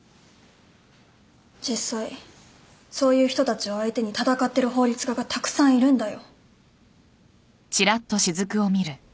実際そういう人たちを相手に戦ってる法律家がたくさんいるんだよ。